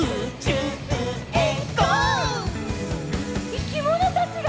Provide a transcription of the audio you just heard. いきものたちが。